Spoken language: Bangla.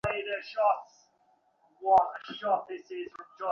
শিক্ষিত পরিবারের সন্তান হয়েও এঁরা ছিনতাইয়ে জড়িয়ে পড়ার ঘটনায় আমরা বিস্মিত হয়েছি।